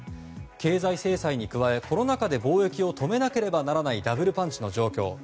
経済制裁に加えコロナ禍で貿易を止めなければならないダブルパンチの状況。